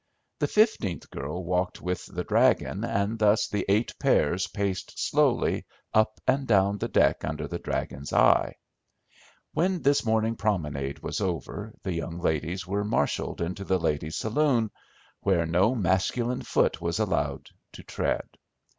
The fifteenth girl walked with the "dragon," and thus the eight pairs paced slowly up and down the deck under the "dragon's" eye. When this morning promenade was over the young ladies were marshalled into the ladies' saloon, where no masculine foot was allowed to tread.